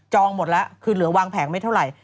หมดแล้วคือเหลือวางแผงไม่เท่าไหร่